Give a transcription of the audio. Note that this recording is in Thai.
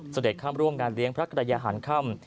เสด็จข้ามร่วมงานเลี้ยงพระกรยาหารค่ำ